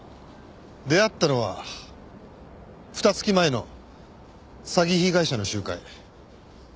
出会ったのはふた月前の詐欺被害者の集会。